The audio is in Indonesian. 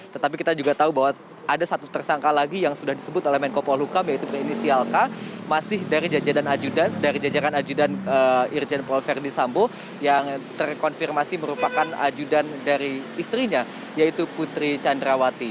tetapi kita juga tahu bahwa ada satu tersangka lagi yang sudah disebut elemen kopo hukum yaitu ini sialka masih dari jajaran ajudan irjen polverdi sambo yang terkonfirmasi merupakan ajudan dari istrinya yaitu putri candrawati